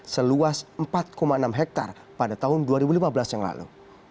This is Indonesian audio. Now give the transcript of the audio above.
seluas empat enam hektare pada tahun dua ribu lima belas yang lalu